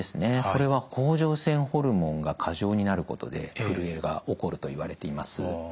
これは甲状腺ホルモンが過剰になることでふるえが起こるといわれています。